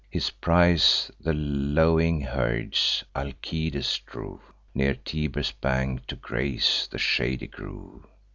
His prize, the lowing herds, Alcides drove Near Tiber's bank, to graze the shady grove.